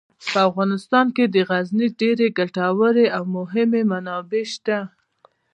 په افغانستان کې د غزني ډیرې ګټورې او مهمې منابع شته.